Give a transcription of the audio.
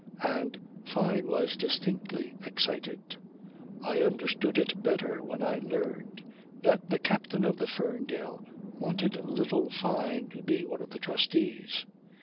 And Fyne was distinctly excited. I understood it better when I learned that the captain of the Ferndale wanted little Fyne to be one of the trustees.